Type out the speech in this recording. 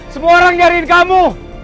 semua orang nyariin kamu